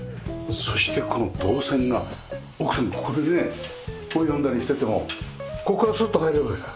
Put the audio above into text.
そしてこの動線が奥さんがここでね本を読んだりしててもここからスッと入れるわけだ。